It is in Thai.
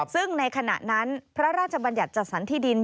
ซึ่งในขณะนั้นพระราชบัญญัติจัดสรรที่ดิน